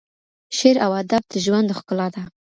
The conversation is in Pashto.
شعر او ادب د ژوند ښکلا ده.